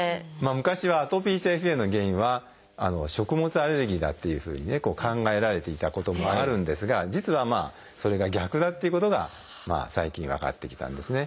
昔はアトピー性皮膚炎の原因は食物アレルギーだっていうふうにね考えられていたこともあるんですが実はそれが逆だっていうことが最近分かってきたんですね。